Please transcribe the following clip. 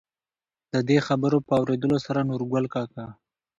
د دې خبرو په اورېدلو سره نورګل کاکا،